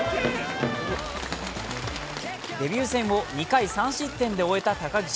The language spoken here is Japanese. デビュー戦を２回３失点で終えた高岸。